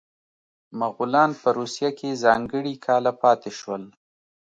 مغولان په روسیه کې ځانګړي کاله پاتې شول.